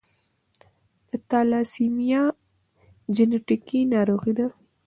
د تالاسیمیا جینیټیکي ناروغي ده.